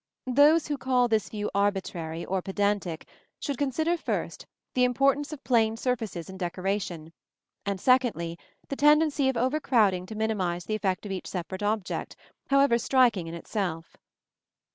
Those who call this view arbitrary or pedantic should consider, first, the importance of plain surfaces in decoration, and secondly the tendency of overcrowding to minimize the effect of each separate object, however striking in itself.